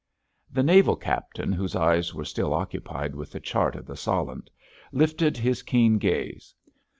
The naval captain whose eyes were still occupied with the chart of the Solent, lifted his keen gaze.